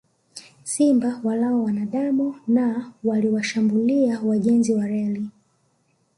Simba walao wanadamu na waliwashambulia wajenzi wa reli